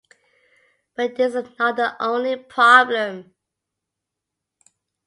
But this is not the only problem.